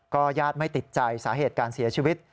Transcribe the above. ญาติไม่ติดใจสาเหตุการเสียชีวิต